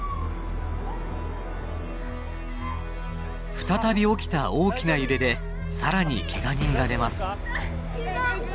再び起きた大きな揺れで更にけが人が出ます。